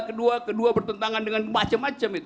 kedua kedua bertentangan dengan macem macem itu